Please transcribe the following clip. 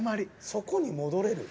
そこに戻れる？